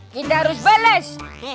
kita harus bales